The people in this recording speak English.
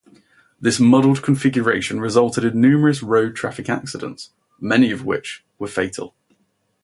This muddled configuration resulted in numerous road traffic accidents, many of which were fatal.